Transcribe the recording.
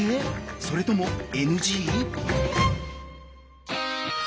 それともＮＧ？